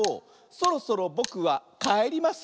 「そろそろぼくはかえります」